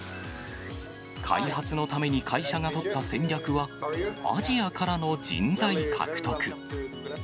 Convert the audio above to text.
開発のために会社が取った戦略は、アジアからの人材獲得。